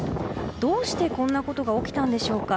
どうしてこんなことが起きたんでしょうか。